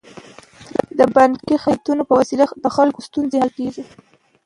د بانکي خدمتونو په وسیله د خلکو ستونزې حل کیږي.